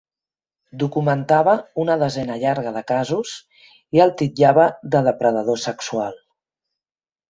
Documentava una desena llarga de casos i el titllava de depredador sexual.